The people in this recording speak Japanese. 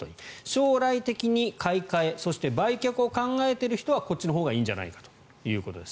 将来的に買い替えそして売却を考えている人はこっちのほうがいいんじゃないかということです。